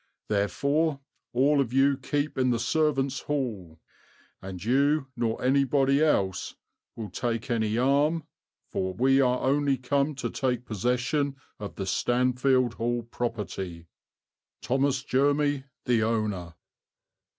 Therefore all of you keep in the servants' hall, and you nor anybody else will take any arme, for we are only come to take possession of the Stanfield Hall property. "THOMAS JERMY, the Owner."